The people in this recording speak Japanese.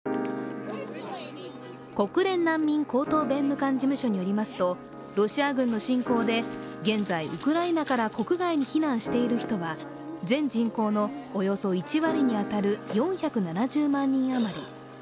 国連難民高等弁務官事務所によりますとロシア軍の侵攻で現在、ウクライナから国外に避難している人は全人口のおよそ１割に当たる４７０万人余り。